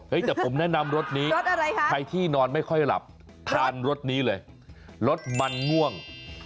เฮ้ยแต่ผมแนะนำรสนี้ใครที่นอนไม่ค่อยหลับทานรสนี้เลยรสมันม่วง